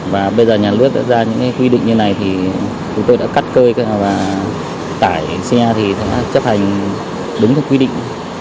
và bây giờ nhà nước đã ra những quy định như này thì chúng tôi đã cắt cơi và tải xe thì đã chấp hành đúng theo quy định